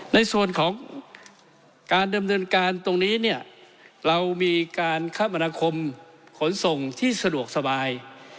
ในส่วนของการดำเนินการตรงนี้เนี่ยเรามีการคมนาคมขนส่งที่สะดวกสบาย